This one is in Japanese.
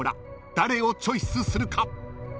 誰をチョイスするか？］